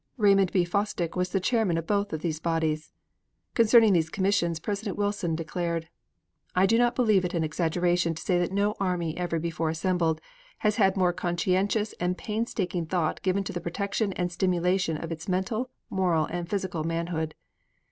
Raymond B. Fosdick was the chairman of both these bodies. Concerning these commissions, President Wilson declared: I do not believe it an exaggeration to say that no army ever before assembled has had more conscientious and painstaking thought given to the protection and stimulation of its mental, moral and physical manhood.